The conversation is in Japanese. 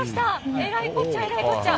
えらいこっちゃ、えらいこっちゃ。